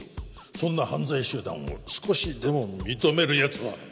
そんな犯罪集団を少しでも認めるやつは